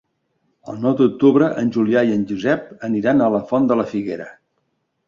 El nou d'octubre en Julià i en Josep aniran a la Font de la Figuera.